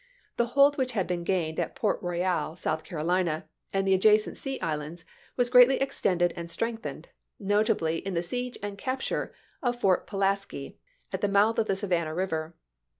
The hold which had been gained at Port Royal, South Carolina, and the adjacent sea islands was greatly extended and strengthened, notably in i»62. ' the siege and capture of Fort Pulaski, at the mouth of the Savannah River.